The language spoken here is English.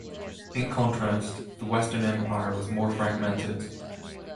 In contrast, the Western Empire was more fragmented.